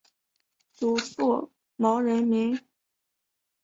祖父毛仁民。